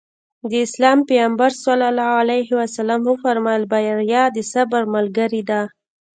د اسلام پيغمبر ص وفرمايل بريا د صبر ملګرې ده.